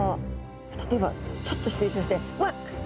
例えばちょっと失礼しましてわっ！